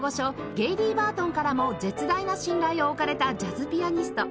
ゲイリー・バートンからも絶大な信頼を置かれたジャズピアニスト